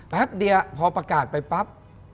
แป๊บเดียวพอประกาศไปปั๊บ